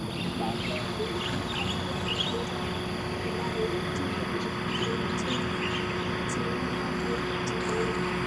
lakini baadaye waliibuka kuwa na upinzani mbaya Mtindo wa muziki anaocheza Chameleone ni mchanganyiko